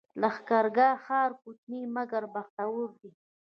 لښکرګاه ښار کوچنی مګر بختور دی